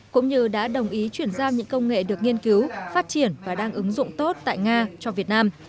cũng như đã đồng ý chuyển giao những công nghệ được nghiên cứu phát triển và đang ứng dụng tốt tại nga cho việt nam